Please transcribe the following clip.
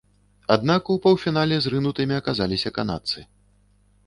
Аднак у паўфінале зрынутымі аказаліся канадцы.